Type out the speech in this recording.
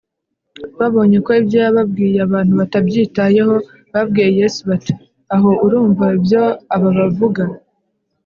babonye ko ibyo babwiye abantu batabyitayeho, babwiye yesu bati: ‘aho urumva ibyo aba bavuga?’